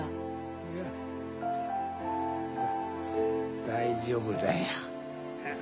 いや大丈夫だよ。